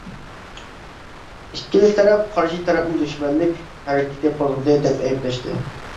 ئىككىلا تەرەپ قارشى تەرەپنى دۈشمەنلىك ھەرىكىتى قوزغىدى، دەپ ئەيىبلەشتى.